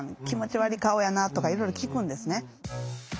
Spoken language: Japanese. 「気持ち悪い顔やな」とかいろいろ聞くんですね。